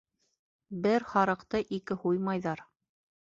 Бер һарыҡты ике һуймайҙар.